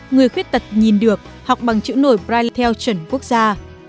người khuyết tật nhìn được học bằng chữ nổi bri theo chuẩn quốc gia